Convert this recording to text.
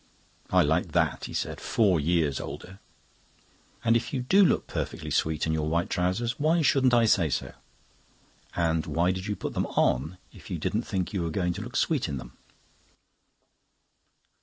"I like that," he said. "Four years older." "And if you do look perfectly sweet in your white trousers, why shouldn't I say so? And why did you put them on, if you didn't think you were going to look sweet in them?"